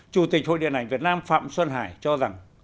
chủ tịch hội điện ảnh việt nam phạm xuân hải cho rằng